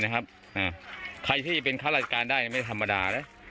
ใครที่เป็นข้าราชการได้ไม่ธรรมดานะ